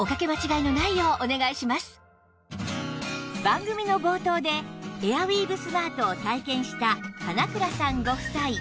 番組の冒頭でエアウィーヴスマートを体験した神永倉さんご夫妻